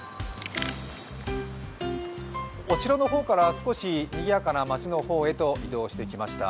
お城の方から、少しにぎやかな街の方へと移動してきました。